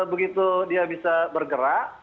begitu dia bisa bergerak